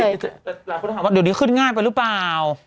หลังจากนี้เขาส้มว่าเดี๋ยวนี้ขึ้นง่ายไปรึเปล่า